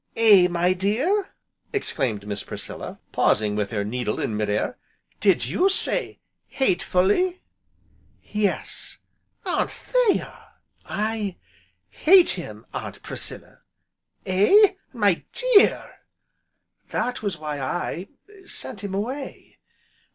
"Eh, my dear?" exclaimed Miss Priscilla, pausing with her needle in mid air, "did you say hatefully?" "Yes." "Anthea!" "I hate him, Aunt Priscilla!" "Eh? My dear!" "That was why I sent him away."